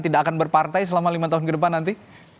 tidak akan berpartai selama lima tahun ke depan nanti